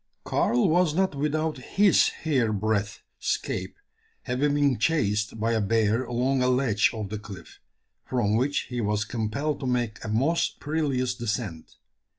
Karl was not without his hair breadth "'scape" having been chased by a bear along a ledge of the cliff, from which he was compelled to make a most perilous descent.